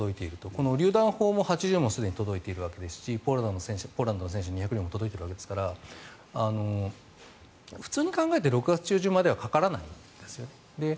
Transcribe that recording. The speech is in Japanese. このりゅう弾砲８０門もすでに届いているわけですしポーランドの戦車２００両も届いているわけですから普通に考えて６月中旬まではかからないんですね。